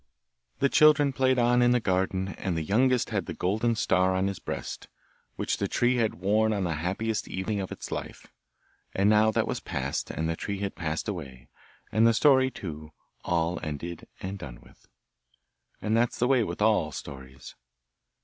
The children played on in the garden, and the youngest had the golden star on his breast, which the tree had worn on the happiest evening of its life; and now that was past and the tree had passed away and the story too, all ended and done with. And that's the way with all stories!